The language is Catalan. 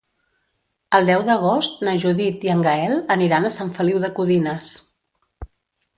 El deu d'agost na Judit i en Gaël aniran a Sant Feliu de Codines.